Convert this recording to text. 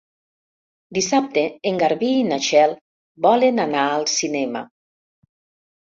Dissabte en Garbí i na Txell volen anar al cinema.